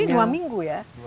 ini dua minggu ya